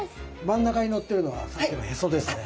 真ん中にのってるのはさっきのヘソですね。